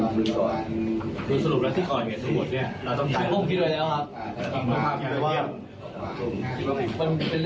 คือสรุปแล้วที่ขอเรียนสมบูรณ์เนี่ยเราต้องจ่ายผมพี่ด้วยแล้วครับ